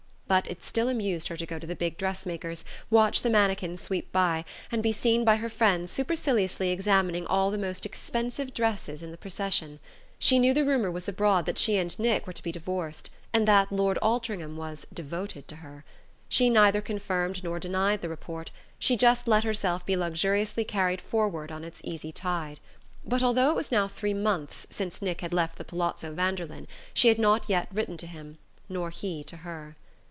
But it still amused her to go to the big dressmakers', watch the mannequins sweep by, and be seen by her friends superciliously examining all the most expensive dresses in the procession. She knew the rumour was abroad that she and Nick were to be divorced, and that Lord Altringham was "devoted" to her. She neither confirmed nor denied the report: she just let herself be luxuriously carried forward on its easy tide. But although it was now three months since Nick had left the Palazzo Vanderlyn she had not yet written to him nor he to her.